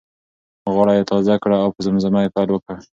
غاړه یې تازه کړه او په زمزمه یې پیل وکړ.